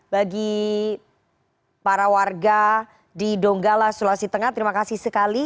bagi para warga di donggala sulawesi tengah terima kasih sekali